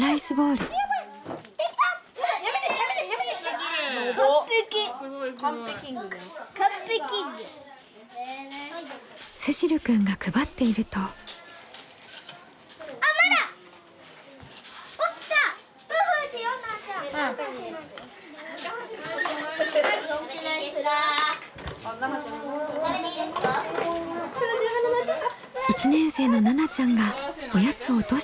１年生のななちゃんがおやつを落としちゃったみたい。